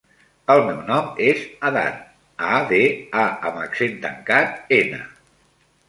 El meu nom és Adán: a, de, a amb accent tancat, ena.